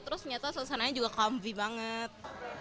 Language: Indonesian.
terus ternyata selesainya juga comfy banget